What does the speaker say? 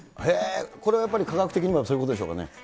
へー、これはやっぱり科学的にはそういうことでしょうかね。